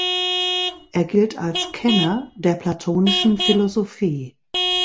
Er gilt als Kenner der platonischen Philosophie.